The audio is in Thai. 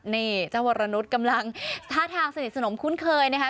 นี่เจ้าวรนุษย์กำลังท่าทางสนิทสนมคุ้นเคยนะคะ